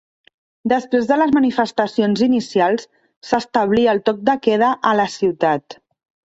Després de les manifestacions inicials, s'establí el toc de queda a la ciutat.